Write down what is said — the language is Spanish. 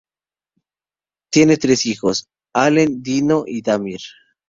Tiene tres hijos: Alen, Dino y Damir.